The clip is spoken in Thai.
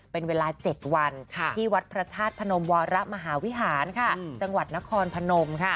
เป็นเวลา๗วันที่วัดพระธาตุพนมวรมหาวิหารจังหวัดนครพนม